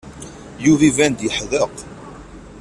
Yuba iban-d yeḥdeq.